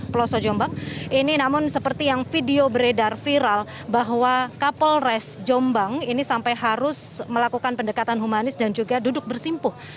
pelosok jombang ini namun seperti yang video beredar viral bahwa kapolres jombang ini sampai harus melakukan pendekatan humanis dan juga duduk bersimpuh